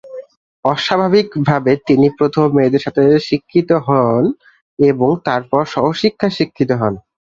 অস্বাভাবিকভাবে তিনি প্রথমে মেয়েদের সাথে শিক্ষিত হন এবং তারপর সহশিক্ষায় শিক্ষিত হন।